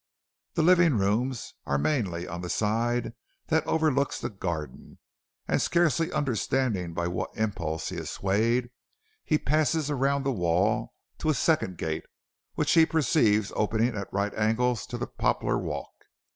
The living rooms are mainly on the side that overlooks the garden, and scarcely understanding by what impulse he is swayed, he passes around the wall to a second gate, which he perceives opening at right angles to the poplar walk.